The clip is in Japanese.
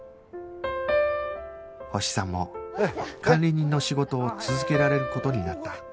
星さんも管理人の仕事を続けられる事になった